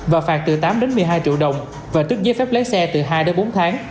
và phạt từ tám đến một mươi hai triệu đồng và tước giấy phép lấy xe từ hai đến bốn tháng